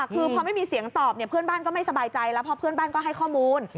คือพอไม่มีเสียงตอบเนี่ยเพื่อนบ้านก็ไม่สบายใจแล้วเพราะเพื่อนบ้านก็ให้ข้อมูล